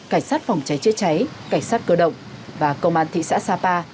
cảnh sát phòng cháy chữa cháy cảnh sát cơ động và công an thị xã sapa